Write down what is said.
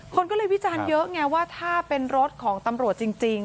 คนก็เลยวิจารณ์เยอะไงว่าถ้าเป็นรถของตำรวจจริง